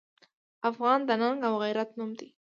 افغان د ننګ او غیرت نوم دی.